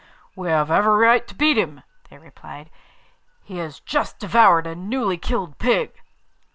'We have every right to beat him,' they replied; 'he has just devoured a newly killed pig.